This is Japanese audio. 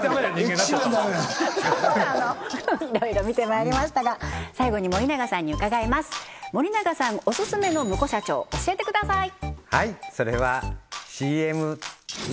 いろいろ見てまいりましたが最後に森永さんに伺います森永さんオススメのムコ社長教えてください！